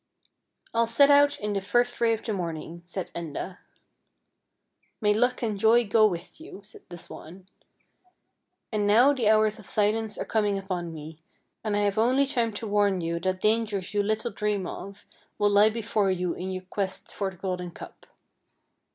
" I'll set out in the first ray of the morning," said Enda. " May luck and joy go with you," said the swan. " And now the hours of silence are com ing upon me, and I have only time to warn you that dangers you little dream of will lie before you in your quest for the golden cup."